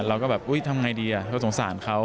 เราก็แบบอุ๊ยทำไงดีเขาสงสารเขา